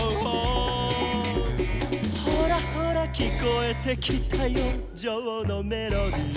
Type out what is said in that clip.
「ほらほらきこえてきたよジョーのメロディー」